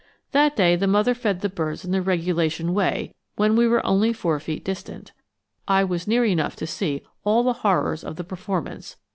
That day the mother fed the birds in the regulation way, when we were only four feet distant. I was near enough to see all the horrors of the performance.